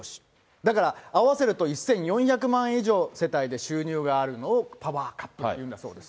だから、合わせると１４００万円以上、世帯で収入があるのをパワーカップルというそうです。